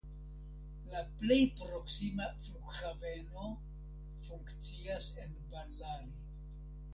La plej proksima flughaveno funkcias en Ballari.